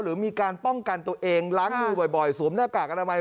หรือมีการป้องกันตัวเองล้างมือบ่อยสวมหน้ากากอนามัย